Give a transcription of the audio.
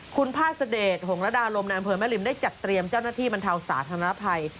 คุณพาสเดชหงระดาลมในอำเภอแม่ริมได้จัดเตรียมเจ้าหน้าที่บรรเทาสาธารณภัย